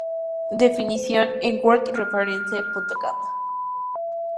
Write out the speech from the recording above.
Definición en WordReference.com